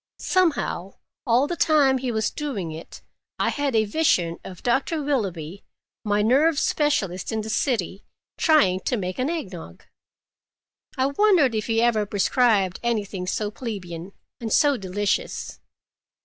Somehow, all the time he was doing it, I had a vision of Doctor Willoughby, my nerve specialist in the city, trying to make an egg nog. I wondered if he ever prescribed anything so plebeian—and so delicious.